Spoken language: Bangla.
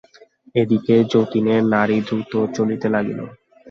এদিকে যতীনের নাড়ী দ্রুত চলিতে লাগিল।